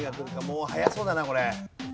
もう早そうだなこれ。